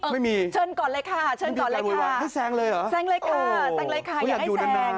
ไม่มีไม่มีแปลวัยไม่มีแปลวัยให้แซงเลยเหรอโอ้โฮอยากอยู่นาน